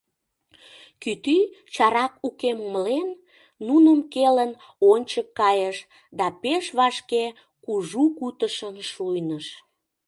Кӱтӱ, чарак укем умылен, нуным келын, ончык кайыш да пеш вашке кужу кутышын шуйныш.